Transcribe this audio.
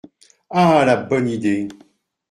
Ah ! la bonne idée !